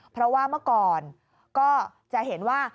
เพราะว่าเมื่อก่อนก็จะเห็นว่า